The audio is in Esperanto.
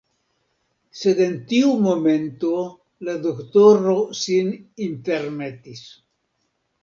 Sed en tiu momento la doktoro sin intermetis.